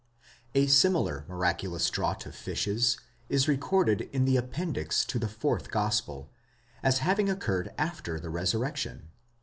A similar miraculous draught of fishes is recorded in the appendix to the fourth gospel, as having occurred after the resurrection (ch.